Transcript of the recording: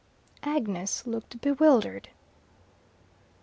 Agnes looked bewildered.